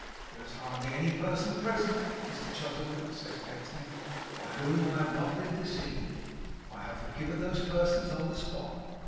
'There is hardly any person present, Mr Chuzzlewit,' said Pecksniff, 'by whom I have not been deceived. I have forgiven those persons on the spot.